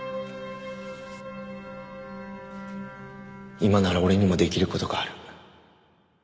今なら俺にもできる事がある。